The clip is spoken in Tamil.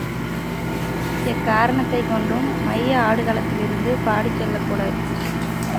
எக்காரணத்தைக் கொண்டும், மைய ஆடு களத்திலிருந்து பாடிச் செல்லக்கூடாது.